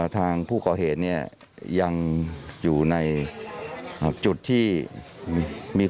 ทางผู้ก่อเหตุเนี่ยยังอยู่ในจุดที่มีความสูงเสียง